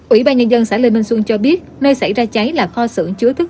ủy ban nhân dân xã lê minh xuân cho biết nơi xảy ra cháy là kho xưởng chứa thức